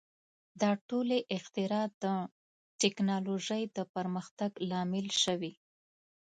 • دا ټولې اختراع د ټیکنالوژۍ د پرمختګ لامل شوې.